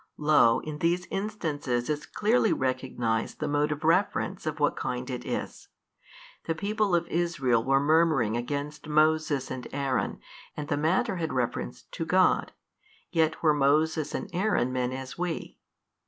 Lo in these instances is clearly recognized the mode of reference of what kind it is. The people of Israel were murmuring against Moses and Aaron and the matter had reference to God, yet were Moses and Aaron men as we.